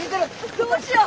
どうしよう！